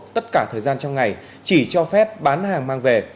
tất cả thời gian trong ngày chỉ cho phép bán hàng mang về